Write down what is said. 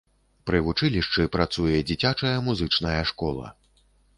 Пры вучылішчы працуе дзіцячая музычная школа.